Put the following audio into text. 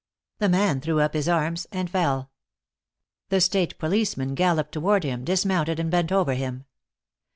The man threw up his arms and fell. The state policeman galloped toward him, dismounted and bent over him.